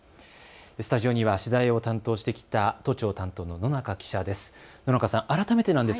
スタジオには取材を担当してきた都庁担当の野中記者です。